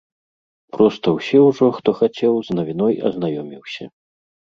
Проста ўсе ўжо, хто хацеў, з навіной азнаёміўся.